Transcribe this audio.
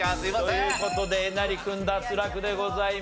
という事でえなり君脱落でございます。